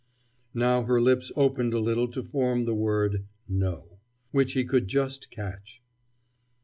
Now her lips opened a little to form the word "No," which he could just catch.